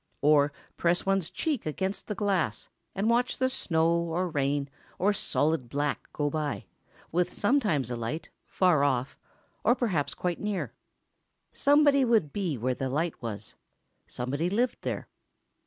Or press one's cheek against the glass and watch the snow or rain or solid dark go by, with sometimes a light ... far off, or perhaps quite near. Somebody would be where the light was—somebody lived there.